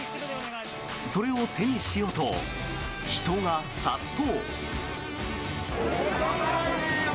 それを手にしようと人が殺到。